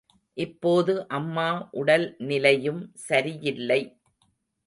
இப்போது அம்மா உடல் நிலையும் சரியில்லை.